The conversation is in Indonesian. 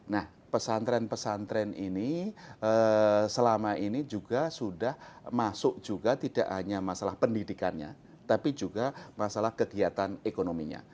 nah pesantren pesantren ini selama ini juga sudah masuk juga tidak hanya masalah pendidikannya tapi juga masalah kegiatan ekonominya